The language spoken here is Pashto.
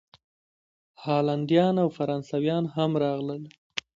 هالینډیان او فرانسویان هم راغلل.